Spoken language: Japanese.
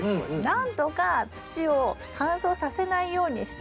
なんとか土を乾燥させないようにしたい。